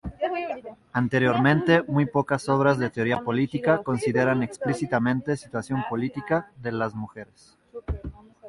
Anteriormente, muy pocas obras de teoría política consideran explícitamente situación política de las mujeres.